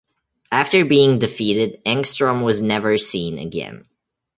After being defeated, Engstrom was never seen again.